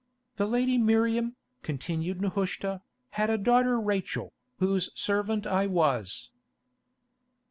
"The lady Miriam," continued Nehushta, "had a daughter Rachel, whose servant I was."